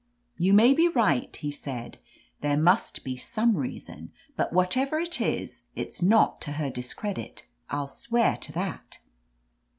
"You may be right," he said. "There must be some reason —, but whatever it is — ^it's not to her discredit. Vl\ swear to that."